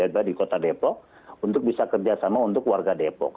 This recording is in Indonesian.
di kota depok untuk bisa kerjasama untuk warga depok